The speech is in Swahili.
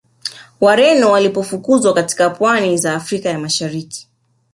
Wareno walipofukuzwa katika pwani za Afrika ya Mashariki